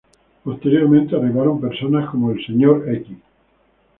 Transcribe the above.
Posteriormente arribaron personas como el Sr.